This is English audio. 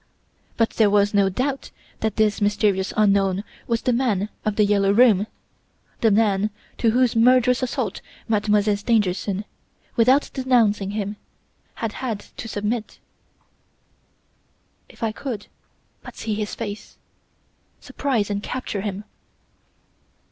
But there was no doubt that this mysterious unknown was the man of "The Yellow Room", the man to whose murderous assault Mademoiselle Stangerson without denouncing him had had to submit. If I could but see his face! Surprise and capture him!